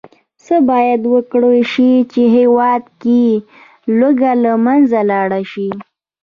څه باید وکرل شي، چې هېواد کې لوږه له منځه لاړه شي.